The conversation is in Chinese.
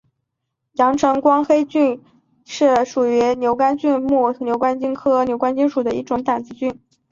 阳城光黑腹菌是属于牛肝菌目黑腹菌科光黑腹菌属的一种担子菌。